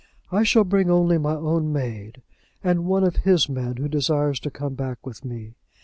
I shall bring only my own maid, and one of his men who desires to come back with me.